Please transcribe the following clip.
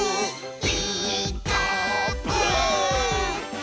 「ピーカーブ！」